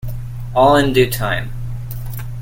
All in due time.